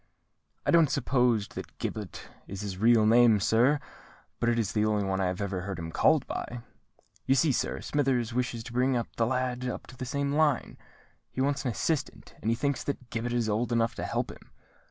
"I don't suppose that Gibbet is his real name, sir, but it is the only one I ever heard him called by. You see, sir, Smithers wishes to bring the lad up to the same line: he wants an assistant, and he thinks that Gibbet is old enough to help him.